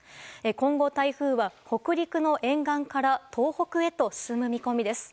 今後、台風は北陸の沿岸から東北へと進む見込みです。